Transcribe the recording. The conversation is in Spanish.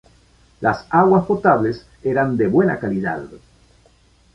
Las aguas potables eran de buena calidad.